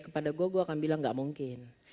kepada gue gue akan bilang gak mungkin